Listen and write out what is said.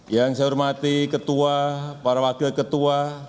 yang saya hormati ketua para wakil ketua